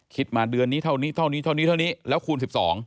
คิดมาเดือนนี้เท่านี้แล้วคูณ๑๒